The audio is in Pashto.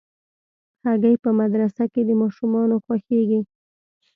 هګۍ په مدرسه کې د ماشومانو خوښېږي.